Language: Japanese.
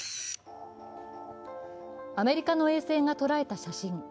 アメリカの衛星が捉えた写真。